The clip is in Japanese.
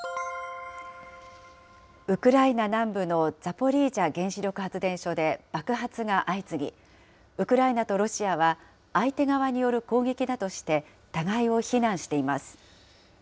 ウクライナ南部のザポリージャ原子力発電所で爆発が相次ぎ、ウクライナとロシアは、相手側による攻撃だとして、互いを非難しています。